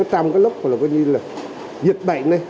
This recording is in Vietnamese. trong cái lúc có như là dịch bệnh này